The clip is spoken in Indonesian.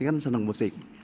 kan senang musik